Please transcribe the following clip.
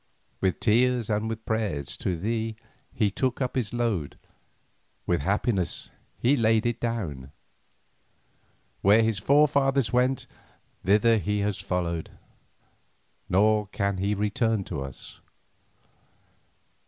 With tears and with prayers to thee he took up his load, with happiness he laid it down. Where his forefathers went, thither he has followed, nor can he return to us.